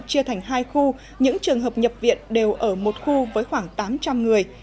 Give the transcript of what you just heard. chia thành hai khu những trường hợp nhập viện đều ở một khu với khoảng tám trăm linh người